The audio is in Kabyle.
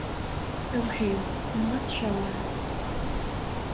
Awḥid, inɣa-t ccṛaɛ.